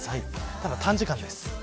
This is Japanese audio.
ただ、短時間です。